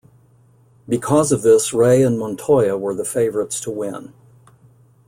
Because of this Ray and Montoya were the favorites to win.